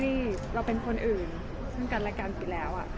เราเป็นคนอื่นกันและกันไปแล้ว